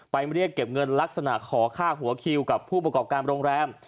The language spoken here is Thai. ไปเรียกเก็บเงินลักษณะขอค่าหัวคิวกับผู้ประกอบการโรงแรม